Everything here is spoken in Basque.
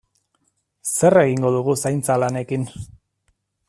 Zer egingo dugu zaintza lanekin?